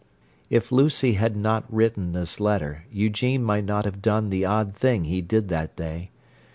If Lucy had not written this letter Eugene might not have done the odd thing he did that day.